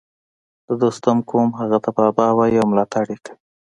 د دوستم قوم هغه ته بابا وايي او ملاتړ یې کوي